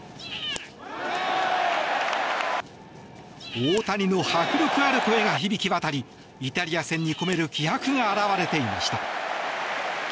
大谷の迫力ある声が響き渡りイタリア戦に込める気迫が表れていました。